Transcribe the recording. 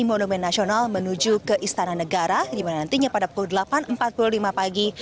monumen nasional menuju ke istana negara dimana nantinya pada pukul delapan empat puluh lima pagi